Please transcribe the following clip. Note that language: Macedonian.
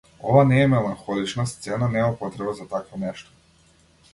Ова не е меланхолична сцена, нема потреба за такво нешто.